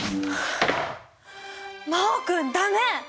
真旺君ダメ！